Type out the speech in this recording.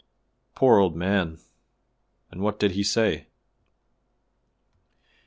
"Poor old man! and what did he say?"